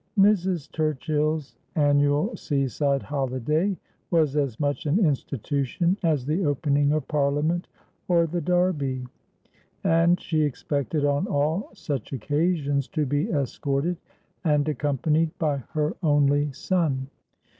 Mrs. Turchill's annual sea side holiday was as much an institution as the opening of Parlia ment, or the Derby : and she expected on all such occasions to be escorted and accompanied by her only son.